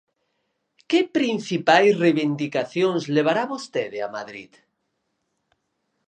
Que principais reivindicacións levará vostede a Madrid?